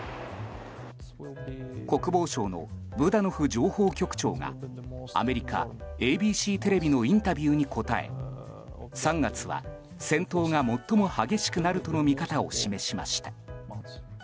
国防省のブダノフ情報局長がアメリカＡＢＣテレビのインタビューに答え３月は戦闘が最も激しくなるとの見方を示しました。